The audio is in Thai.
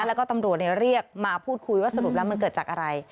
แล้วก็ตำรวจเรียกมาพูดคุยว่าสรุปแล้วมันเกิดจากอะไร